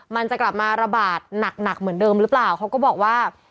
มันจะกลับมาระบาดหนักเหมือนเดิมหรือเปล่าเขาก็บอกว่า